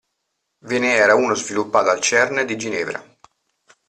Ve ne era uno sviluppato al CERN di Ginevra.